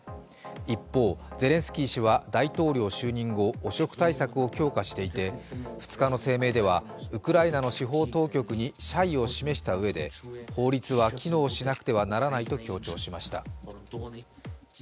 一方、ゼレンスキー氏は大統領就任後汚職対策を強化していて、２日の声明ではウクライナの司法当局に謝意を示したうえで法律は機能しなくてはならないと強調しました